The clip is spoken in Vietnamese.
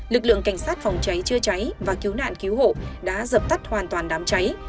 lực lượng cảnh sát phòng cháy chữa cháy và cứu nạn cứu hộ đã dập tắt hoàn toàn đám cháy